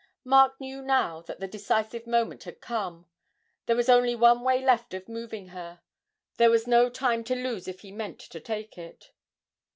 Mark knew now that the decisive moment had come: there was only one way left of moving her; there was no time to lose if he meant to take it.